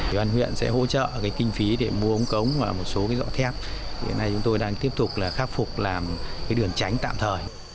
ủy ban huyện sẽ hỗ trợ kinh phí để mua ống cống và một số thép hiện nay chúng tôi đang tiếp tục là khắc phục làm cái đường tránh tạm thời